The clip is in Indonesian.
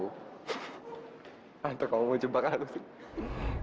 gila kamu mau jebak aku sih